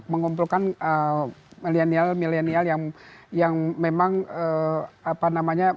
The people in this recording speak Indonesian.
mengumpulkan millenial millenial yang memang apa namanya